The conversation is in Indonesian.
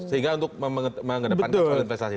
sehingga untuk mengedepankan soal investasi